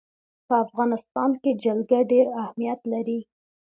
په افغانستان کې جلګه ډېر اهمیت لري.